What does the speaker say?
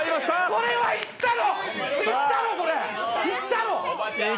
これはいったろ！？